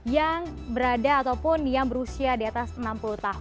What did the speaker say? yang berada ataupun yang berusia